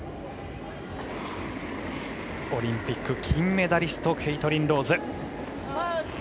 オリンピック金メダリストケイトリン・ローズ。